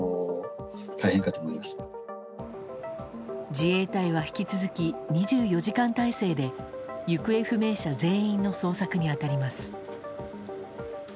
自衛隊は引き続き２４時間態勢で行方不明者全員の捜索に当たります。